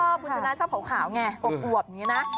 คุณชนะชอบขาวไงอวบอย่างนี้นะ